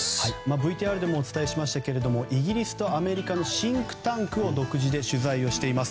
ＶＴＲでもお伝えしましたがイギリスとアメリカのシンクタンクを独自で取材しています。